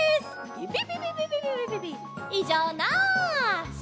ピピピピピピピピいじょうなし！